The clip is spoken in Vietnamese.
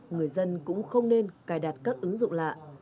người dân cũng không nên cài đặt các ứng dụng lạ